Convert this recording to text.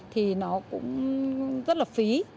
thì nó cũng rất là phí